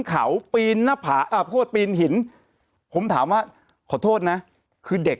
เขาปีนหน้าผาอ่าโพดปีนหินผมถามว่าขอโทษนะคือเด็ก